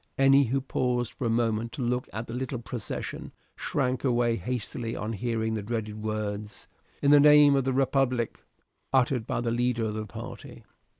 Any who paused for a moment to look at the little procession, shrank away hastily on hearing the dreaded words, "In the name of the republic," uttered by the leader of the party.